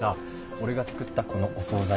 俺が作ったこのお総菜